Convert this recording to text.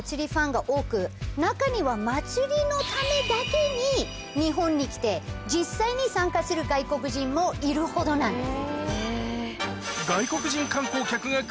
中には祭りのためだけに日本に来て実際に参加する外国人もいるほどなんです。